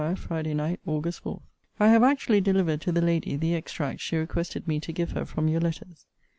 FRIDAY NIGHT, AUG. 4. I have actually delivered to the lady the extracts she requested me to give her from your letters.